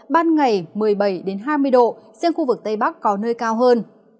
ban ngày một mươi bảy hai mươi độ riêng khu vực tây bắc có nơi cao hơn